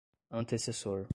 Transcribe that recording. antecessor